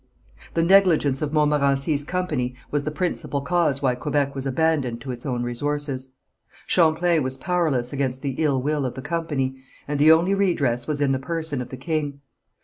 The negligence of Montmorency's company was the principal cause why Quebec was abandoned to its own resources. Champlain was powerless against the ill will of the company, and the only redress was in the person of the king.